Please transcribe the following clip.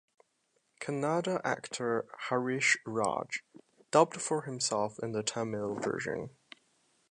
Kannada actor Harish Raj dubbed for himself in the Tamil version.